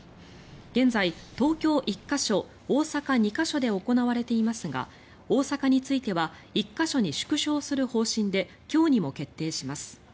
現在、東京１か所大阪２か所で行われていますが大阪については１か所に縮小する方針で今日にも決定します。